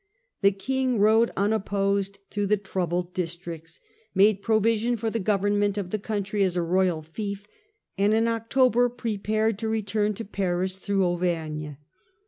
The King rode unopposed through the troubled districts, made provision for the government of the country as a royal fief, and in October prepared to return to Paris through Auvergne.